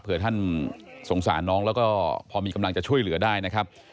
เพื่อท่านสงสารน้องแล้วก็พอมีกำลังจะช่วยเหลือได้นะครับ